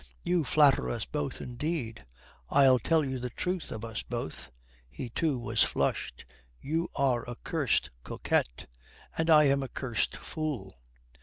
"You flatter us both indeed." "I'll tell you the truth of us both" he, too, was flushed: "you are a curst coquette and I am a curst fool."